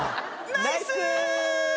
ナイス。